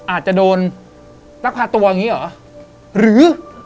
อาจจะโดนลักพาตัวอย่างนี้เหรอหรือ